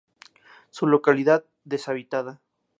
Su localidad deshabitada.